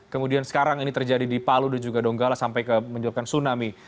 kemudian sekarang ini terjadi di palu dan juga donggala sampai menyebabkan tsunami